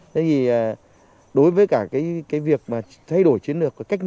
thế thì đối với cả cái việc thay đổi chiến lược cách ly